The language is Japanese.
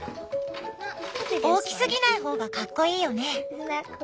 大きすぎない方がかっこいいよね。